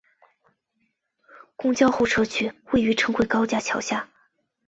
公交候车区位于城轨高架桥下。